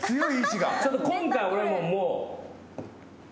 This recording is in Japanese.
ちょっと今回俺ももういいです。